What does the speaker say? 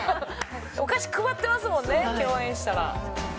お菓子配ってますもんね共演したら。